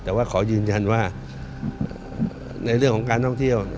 แต่ว่าขอยืนยันว่าในเรื่องของการท่องเที่ยว